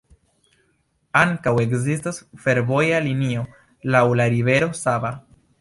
Ankaŭ ekzistas fervoja linio laŭ la rivero Sava.